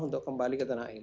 untuk kembali ke tanah air